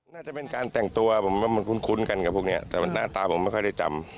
น่าจะเป็นการแต่งตัวผมว่ามันคุ้นกันกับพวกนี้แต่หน้าตาผมไม่ค่อยได้จำ